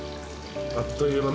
あっという間。